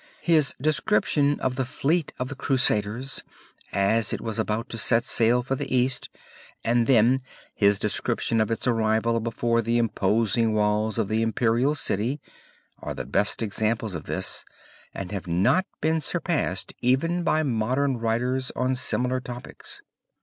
His description of the fleet of the Crusaders as it was about to set sail for the East and then his description of its arrival before the imposing walls of the Imperial City, are the best examples of this, and have not been surpassed even by modern writers on similar topics.